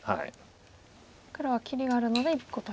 黒は切りがあるので１個取りと。